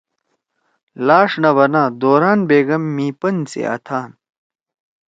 لاݜ نہ بنا دوران بیگم مھی پن سی آتھان